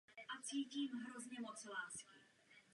Cílem navrhovaných změn ve směrnici je zlepšit tuto situaci.